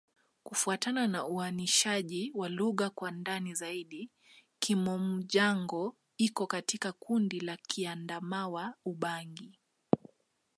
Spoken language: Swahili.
Kufuatana na uainishaji wa lugha kwa ndani zaidi, Kimom-Jango iko katika kundi la Kiadamawa-Ubangi.